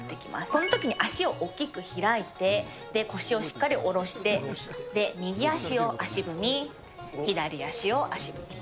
このときに足を大きく開いて、腰をしっかり下ろして、右足を足踏み、左足を足踏み。